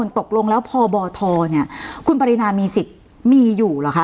ตกลงแล้วพบทคุณปรินามีสิทธิ์มีอยู่เหรอคะ